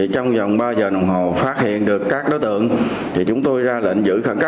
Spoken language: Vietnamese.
trong vòng ba giờ đồng hồ phát hiện được các đối tượng